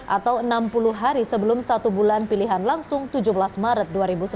atau enam puluh hari sebelum satu bulan pilihan langsung tujuh belas maret dua ribu sembilan belas